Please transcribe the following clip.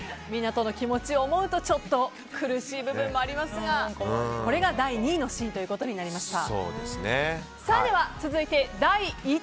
湊斗の気持ちを思うとちょっと苦しい部分もありますがこれが第２位のシーンとなりました。